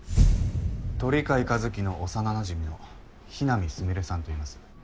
鳥飼一輝の幼なじみの雛見すみれさんといいます。